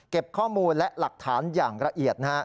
ข้อมูลและหลักฐานอย่างละเอียด